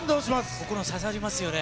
心刺さりますよね。